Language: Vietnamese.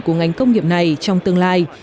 của ngành công nghiệp này trong tương lai